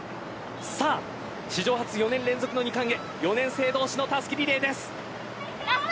さあ史上初４年連続の二冠へ４年生同士のたすきリレーです。